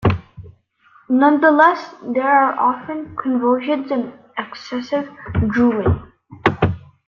Nonetheless, there are often convulsions and excessive drooling.